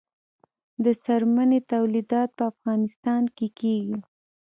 د څرمنې تولیدات په افغانستان کې کیږي